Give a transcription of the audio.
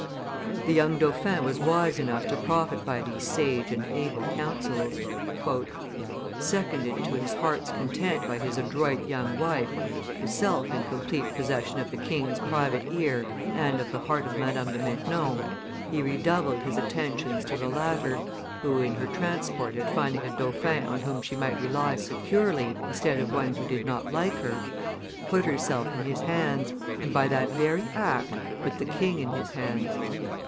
The young dauphin was wise enough to profit by these sage and able counsels. "Seconded to his heart's content by his adroit young wife, herself in complete possession of the king's private ear and of the heart of Madame de Maintenon, he redoubled his attentions to the latter, who, in her transport at finding a dauphin on whom she might rely securely instead of one who did not like her, put herself in his hands, and, by that very act, put the king in his hands.